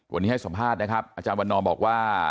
วันนี้ให้สัมภาษณ์นะครับอาจารย์วันนอบอกว่า